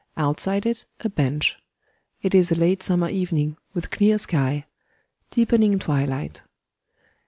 Outside it, a bench. It is a late summer evening, with clear sky. Deepening twilight.